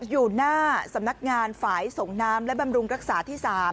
อยู่หน้าสำนักงานฝ่ายส่งน้ำและบำรุงรักษาที่๓